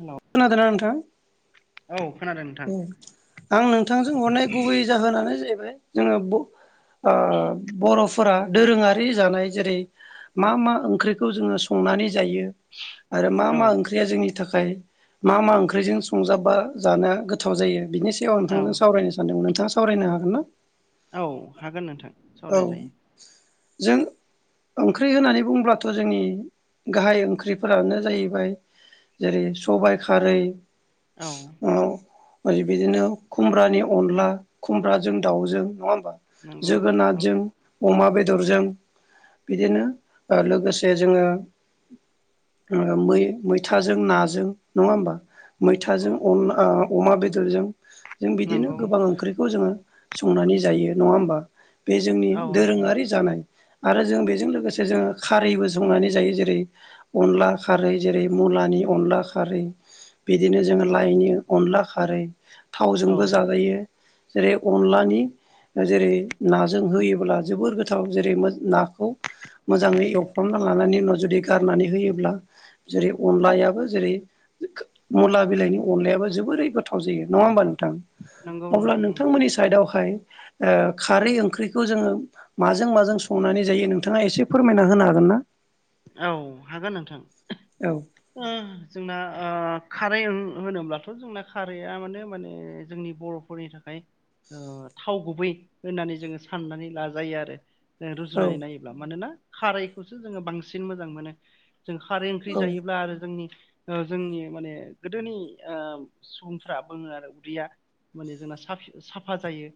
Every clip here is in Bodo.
हेलौ खोनादोना नोंथां। औ खोनादों नोंथां। आं नोंथांजों हरनाय गुबै जाहोनानो जाहैबाय जोङो ओ बर' फोरा दोरोङारि जानाय जेरै मा मा ओंख्रिखौ जोङो संनानै जायो आरो मा औ मा ओंख्रिया जोंनि थाखाय मा मा ओंख्रिजों संजा बिनि सायाव आं औ नोंथांजों सावरायनो सानदोंमोन नोंथाङा सावरायनो हागोन ना? औ हागोन नोंथां औ सावराय जायो। जों ओंख्रि होननानै बुंब्लाथ' जोंनि गाहाय ओंख्रिफोरानो जायैबाय जेरै सबाय खारै औ ओरै बिदिनो खुमब्रानि अनला खुम्ब्राजों दाउजों नङा नंगौ नंगौ जोगोनाथजों अमा बेदरजों बिदिनो ओ लोगोसे जोङो ओ मै मैथाजों नाजों नङा होमबा औ मैथाजों अन ओ अमा बेदरजों जों बिदिनो नंगौ गोबां औ ओंख्रिखौ जोङो संनानै जायो नङा होमबा बे जोंनि नंगौ दोरोङारि जानाय। आरो जों बेजों लोगोसे जोङो खारैबो संनानै जायो जेरै अनला खारै जेरै मुलानि अनला खारै बिदिनो जोङो लायनि अनला खारै औ थावजोंबो जाजायो जेरै अनलानि जेरै नाजों होयोब्ला जोबोर गोथाव जेरै मोज नाखौ मोजाङै एवफ्रामना लानानै उनाव जुदि गारनानै होयोब्ला जेरै अनलायाबो जेरै मुला बिलाइनि अनलायाबो जो बोरै गोथाव जायो नङा होमबा नोंथां नंगौ अब्ला नोंथां नंगौ नोंथांमोननि साइडआवहाय ओ खारै ओंख्रिखौ जोङो माजों माजों संनानै जायो नोंथाङा एसे फोरमायना होनो हागोन ना? औ हागोन नोंथां औ उम। जोंना ओ खारै ओं होनोब्लाथ' जोंना खारैआ माने माने जोंनि बर'फोरनि थाखाय ओ थाव गुबै होननानै जोङो साननानै लाजायो आरो। ओ औ रुजुनानै नायोब्ला मानोना खारैखौसो जोङो बांसिन मोजां मोनो। जों खारै ओंख्रि औ जायोब्ला आरो जोंनि ओ जोंनि माने गोदोनि ओ सुबुंफ्रा बुंङो आरो उदैया माने जोंना साफ साफा जायो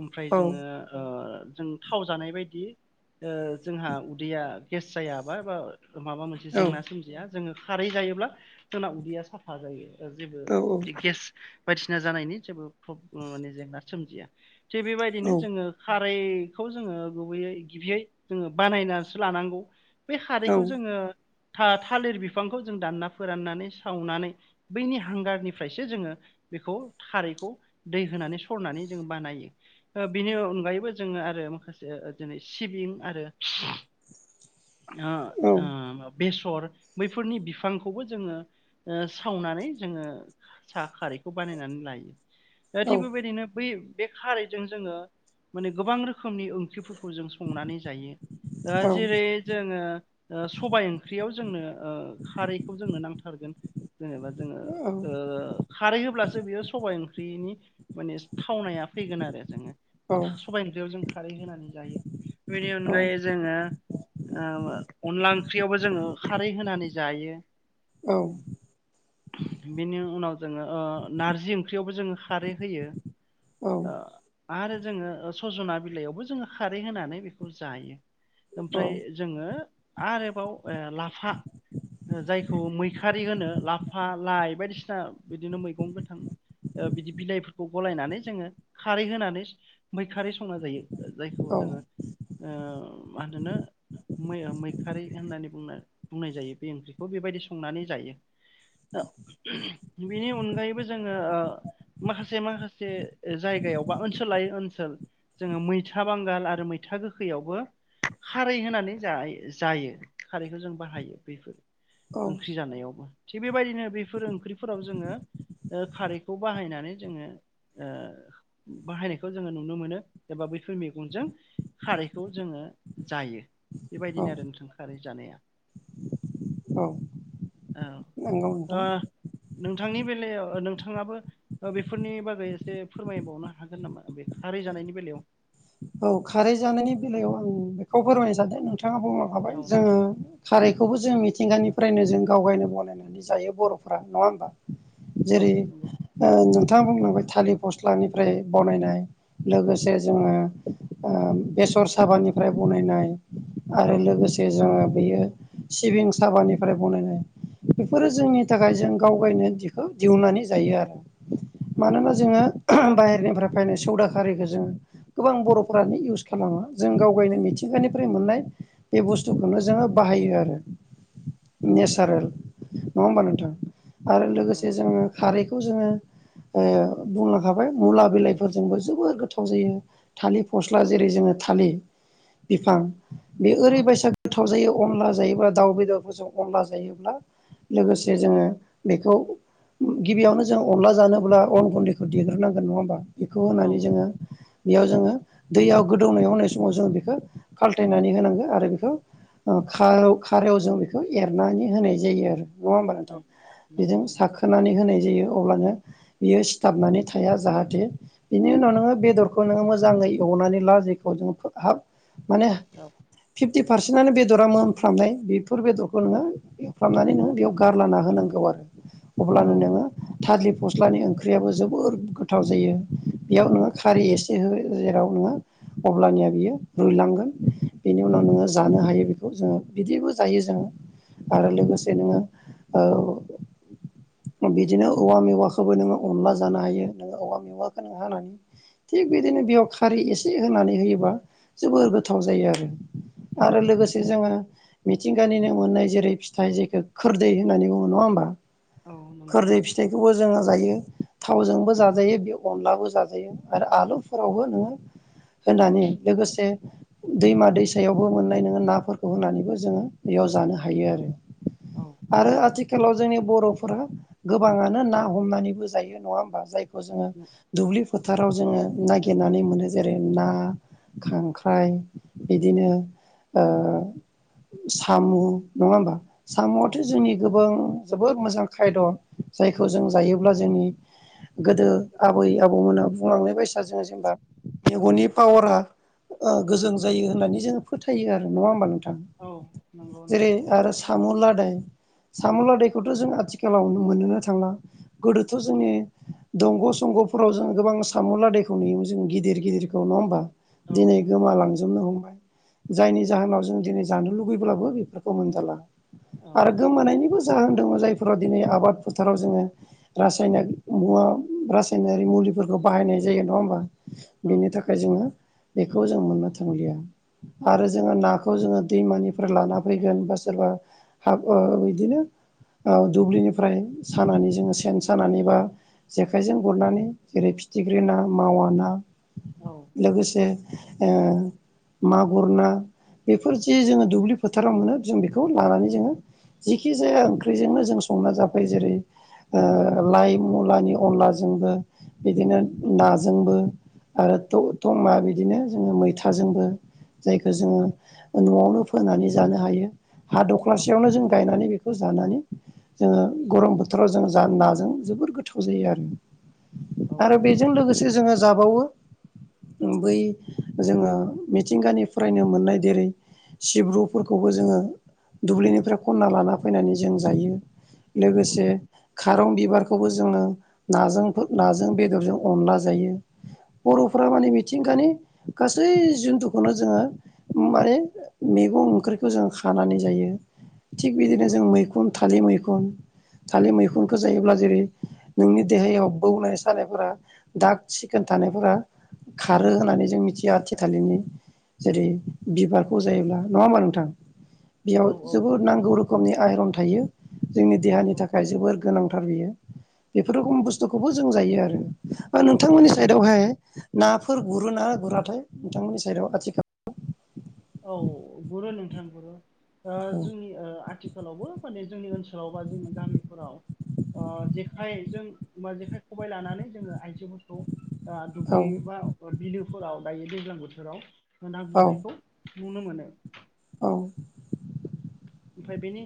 ओमफ्राय औ जोङो ओ जों थाव जानाय बायदि ओ जोंहा उदैया गेस जायाबा बा माबा मोनसे औ जेंना सोमजिया जोंङो खारै जायोब्ला जोंना उदैया साफा जायो। ओ जेबो औ गेस बायदिसिना जानायनि जेबो प्रब माने जेंना सोमजिया। थिग औ बेबायदिनो जोंङो खा रैखौ जोंङो गुबैयै गिबियै जोंङो बानायनासो लानांगौ। बे औ खारैखौ जोंङो था-थालिर बिफांखौ जों दानना फोराननानै सावनानै बैनि हांगारनिफ्रायसो जोंङो बेखौ खारैखौ दै होनानै सरनानै जों बानायो ओ बिनि अनगायैबो जोंङो आरो माखासे जेरै सिबिं आरो [inaudible] ओ ओं। बेसर बैफोरनि बिफांखौबो जोंङो ओ सावनानै जोंङो सा खारै खौ बानायनानै लायो दा औ थिग बेबायदिनो बै बे खारैजों जोंङो माने गोबां रोखोमनि ओंख्रि जों संनानै जायो ओ औ जेरै ओ ओ सबाय ओंख्रियाव जोंनो ओ खारैखौ जोंनो नांथारगोन। जेनेबा जोंङो ओ खारै होब्लासो बेयो सबाय ओंख्रिनि माने थावनाया फैगोन आरो जोंङो। सबाय ओंख्रियाव जों खारै होनानै जायो बेनि अनगायै जोंङो ओ अनला ओंख्रियावबो जोंङो खारै होनानै जायो। औ। बेनि उनाव जोंङो ओ नारजि ओंख्रियावबो जोंङो खारै होयो। ओ आरो जोंङो सजना बिलाइयावबो जोंङो खारै होनानै बेखौ जायो। ओमफ्राय जोंङो आरोबाव लाफा जायखौ मैखारि होनो ला फा लाइ बायदिसिना बिदिनो मैगं गोथां ओ बिदि बिलाइफोरखौ गलायनानै जोंङो खारै होनानै मैखारि संना जायो जायखौ जोंङो ओ मा होनो मै मैखारि होननानै बुंना बुंनाय जायो बे ओंख्रिखौ बेबायदि संनानै जायो। बेनि अनगायैबो जोंङो ओ माखासे माखासे जायगायाव बा ओनसोल लायै ओनसोल जोंङो मैथा बांगाल आरो मैथा गोखैयावबो खारै होनानै जा-जायो खारैखौ जों बाहायो बेफोर। औ ओंख्रि जानायावबो थिग बेबायदिनो बेफोर ओंख्रिफोराव जोंङो ओ खारैखौ बाहायनानै जोंङो ओ बाहायनायखौ जोंङो नुनो मोनो एबा बैफोर मेगंजों खारैखौ जोंङो जायो। बेबायदिनो आरो औ नोंथां खारै जानाया औ। नंगौ ओ नोंथां। नोंथांनि बेलायाव नोंथांङाबो बेफोरनि बागै एसे फोरमायबावनो हागोन नामा बे खारै जा नायनि बेलायाव। औ खारै जानायनि बेलायाव आं बेखौ फोरमायनो सानदों नों थांङा बुंलांखाबाय औ जोंङो खारै बेखौबो जों मिथिंगानिफ्रायनो जों गावनो बानायनानै जायो बरफ्रा नङा होमबा। औ जेरै नंगौ ओ नों थांआ बुंदोंमोन थालिर फस्लानिफ्राय बानायनाय लोगोसे जोंङो बेसर साबानिफ्राय बानायनाय औ आरो लोगोसे जोंङो हायो सिबिं साबानिफ्राय बानायनाय बेफोरो नंगौ जोंनि थाखाय जों गावगायनो बिखौ दिहुननानै जायो आरो औ मानोना जोंङो बाहेरनिफ्राय फैनाय सदा खारैखौ जोंङो गोबां बर'फोरानो इउस खालामो जों गाव गावनो मिथिंगानिफ्राय मोननाय बे बुस्थुखौनो जोंङो बाहायो आरो नेचारेल नङा होमबा नोंथां औ आरो लोगोसे जोङो खारै खौ जोङो बुंलांखाबाय मुला बिलाइफोरजोंबो जोबोर गोथाव जायो थालिर फस्ला जेरै जोङो थालिर बिफां बे औ ओरैबायसा गोथाव जायो अनला जायोब्ला दाउ बेदरफोरजों अनला जायोब्ला लोगोसे नंगौ जोङो बेखौ गिबियावनो जों अनला जानोब्ला अन गुन्दैखौ देग्रोनांगोन नङा होमबा बेखौ औ होनानै जोङो बेयाव जोङो दैयाव गोदौनाय होनाय समाव जों बेखौ खाल्थायनानै होनांगौ आरो बेखौ ओ खा-खारेवजों बेखौ एरनानै होनाय जायो आरो नङा होमबा नोंथां औ नंगौ बेजों नंगौ साखोनानै होनाय जायो अब्लानो बियो सिथाबनानै थाया जाहाथे बिनि उनाव नोङो बेदर खौ नोङो मोजाङै एवनानै ला जेखौ जों हाब माने औ फिफ्टि पारसेन्टआनो बेदरा मोनफ्रामनाय बेफोर बेदरखौ नोङो एवफ्रामनानै नोङो बेयाव गारलाना होनांगौ आरो अब्लानो औ नोङो थालिर फस्लानि ओंख्रियाबो जोबोर गोथाव जायो बेयाव नोङो खारै एसे हो जेराव नोङो अब्लानिया बियो रुइलांगोन बेनि उनाव नोङो जानो हायो बेखौ जोङो बिदिबो जायो जोङो आरो औ लोगोसे नोङो ओ बिदिनो औवा मेवाखौबो नोङो अनला जानो हायो नोङो औवा मेवाखौ नों हानानै थिग बिदिनो बेयाव खारै एसे होनानै होयोबा जोबोर गोथाव जायो आरो औ आरो लोगोसे जोङो मिथिंगानिनो मोननाय जेरै फिथाइ जेखौ खोरदै होननानै बुङो नङा होमबा औ नंगौ खोरदै फिथाइखौबो जोङो जायो थावजोंबो जाजायो बे अनलाबो जाजायो आरो आलुफोरावबो नोङो होनानै लोगोसे दैमा दैसायावबो मोननाय नोङो नाफोरखौ होनानैबो जोङो बेयाव जानो हायो आरो औ आरो नंगौ आथिखालाव जोंनि बर'फोरा गोबाङानो ना हमनानैबो जायो नङा होमबा जायखौ जोङो दुब्लि फोथाराव जोङो नागिरनानै मोनो जेरै ना खांख्राइ बिदिनो ओ साम' नङा होमबा औ साम'आथ' जोंनि गोबां जोबोद मोजां खायद जायखौ जों जायोब्ला जोंनि गोदो आबै आबौमोना बुंलांनाय बायसा जोङो जेनेबा मेगननि पावारा गोजों जायो होननानै जोङो फोथायो आरो नङा होमबा नों थां औ नंगौ जेरै नंगौ आरो साम' लादाय साम' लादायखौथ' जों आथिखालाव मोनोनो थांला गोदोथ' जोंनि दंग' संग' फोराव जों गोबां साम'लादायखौ नुयोमोन जों गिदिर गिदिरखौ नङा होमबा औ दिनै गोमालांजोबनो हमबाय जायनि जाहोनाव जों दिनै जानो लुुबैब्लाबो बेफोरखौ मोनजाला औ आरो गोमानायनिबो जाहोन दङ जायफोराव दिनै आबाद फोथाराव जोङो रासायनक मुवा रासायनारि मुलिफोरखौ बाहायनाय जायो नङा होमबा औ बिनि थाखाय जोङो बेखौ जों मोननो थांलिया आरो जोङो नाखौ जोङो दैमानिफ्राय लाना फैगोन बा सोरबा हा ओ बिदिनो ओ दुब्लिनिफ्राय सानानै जोङो सेन सानानै बा जेखाइजों गुरनानै जेरै थिग्रि ना मावा ना औ लोगोसे ओ मागुर ना बेफोर जे जोङो दुब्लि फोथाराव मोनो जों बेखौ लानानै जोङो जिखि जाया ओंख्रिजोंनो जों संना जाफैयो जेरै ओ लाइ मुलानि अनलाजोंबो बिदिनो औ नाजोंबो आरो ट ट मा बि बिदिनो जोङो मैथाजोंबो जायखौ जोङो न'आवनो फोनानै जानो हायो हा औ दख्लासेयावनो जों गायनानै बे खौ जानानै जोङो गरम बोथोराव जों जा नाजों जोबोर गोथाव जायो आरो औ आरो बेजों लोगोसे जोङो जाबावो बै जोङो मिथिंगानि फरायनो मोननाय देरै सिब्रुफोरखौबो जोङो दुब्लिनिफ्राय खन्ना लाना फैनानै जों जायो नंगौ लोगोसे खारं बिबारखौबो जोङो नाजों फो नाजों बेदरजों अनला जायो औ बर'फोरा माने मिथिंगानि गासै जिन्थुखौनो जोङो माने मैगं ओंख्रिखौ जों खानानै जायो थिग बिदिनो जों मैखुन थालिर मैखुन थालिर नंगौ मैखुनखौ जायोब्ला जेरै नोंनि देहायाव बौनाय सानायफोरा दाग सिखोन थानायफोरा खारो होननानै जों मिथिया आथिखालिदनि जेरै बिबारखौ जायोब्ला नङा होमबा नोंथां बेयाव औ जोबोर औ नांगौ रोखोमनि आइरन थायो जोंनि देहानि नंगौ थाखाय जोबोर गोनांथार बियो बेफोर रोखोम बुस्थुखौबो जों जायो आरो ओ नोंथांमोननि साइदआवहाय नाफोर गुरो ना गुराथाय नोंथांमोननि साइडआव आथिखाल [unintelligible] औ गुरो नोंथां गुरो ओ जोंनि ओ आथिखालावबो माने जोंनि ओनसोलाव बा जोंनि गामिफोराव ओ जेखाय जों मा जेखाय खबाइ लानानै जोङो आइजोफोरखौ आ औ दुब्लि बा बिलो फोराव दायो दैज्लां बोथोराव ओ ना औ गुरनायखौ नुनो मोनो औ ओमफ्राय बेनि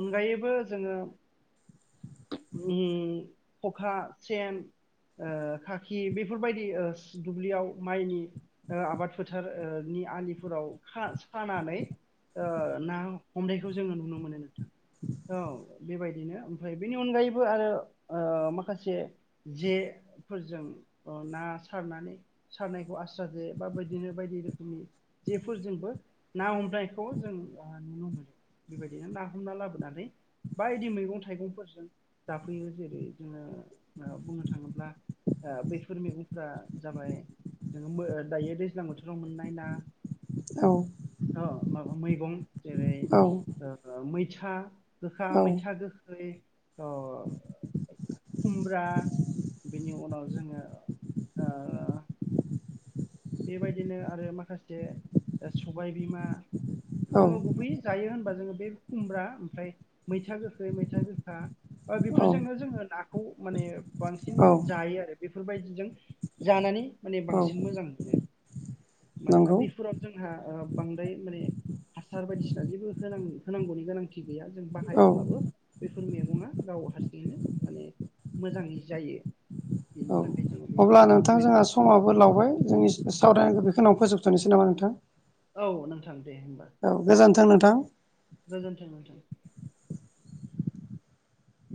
अनगायैबो जोङो [unintelligible] अखा सेन ओ खाखि बेफोरबायदि ओस दुब्लियाव माइनि ओ आबाद फोथार ओ नि आलिफोराव खा सानानै ओ ना हमनायखौ जोङो नुनो मोनो नोंथां औ बेबायदिनो ओमफ्राय बेनि अनगायैबो आरो ओ माखासे जे फोरजों अ ना सारनानै सारनायखौ आस्रा जे बा बिदिनो बायदि रोखोमनि जेफोरजोंबो ना हमनायखौ जों आ नुनो मोनो बेबायदिनो ना हमना लाबोनानै बायदि मैगं थाइगंफोरजों जाफैयो जेरै जोङो ओ बुंनो थाङोब्ला आ बैफोर मैगंफोरा जाबाय जोङो मो दायो दैज्लां बोथोराव मोननाय ना औ माबा मैगं जेरै औ ओ मैथा गोखा औ मैथा गोखै अ खुमब्रा बेनि उनाव जोङो ओ बेबायदिनो आरो माखासे ओ सबायबिमा औ जोङो गुबैयै जायो होनबा जोङो बे खुमब्रा ओमफ्राय मैथा गोखै मैथा गोखा ओ औ बेफोरजोंनो जोंङो नाखौ माने बांसिन औ जायो आरो बेफोरबायदिजों जानानै माने औ बांसिन मोजां मोनो मोनो मानोना नंगौ बैफोराव जोंहा ओ बांद्राय माने हासार बायदिसि जा जेबो होनां होनांगौनि गोनांथि गैया जों औ बाहायाब्लाबो बे फोर मैगङा गाव हारसिंङैनो माने मोजांङै जायो बेनि औ थाखाय जोङो अब्ला बेफोर नोंथां जोंहा मैगं समाबो लावबाय जोंनि सावरायनांगौ बेखिनाव फोजोबथनोसै नामा नोंथां औ नोंथां दे होमबा औ गोजानथों नोंथां गोजोन्थों नोंथां